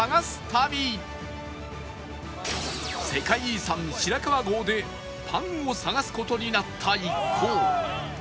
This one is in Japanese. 世界遺産白川郷でパンを探す事になった一行